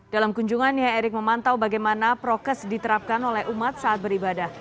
dalam kunjungannya erick memantau bagaimana prokes diterapkan oleh umat saat beribadah